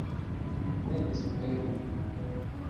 Ne esperu.